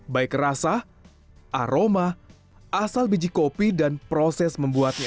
baik rasa aroma asal biji kopi dan proses membuatnya